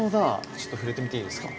ちょっと触れてみていいですか？